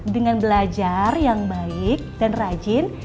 dengan belajar yang baik dan rajin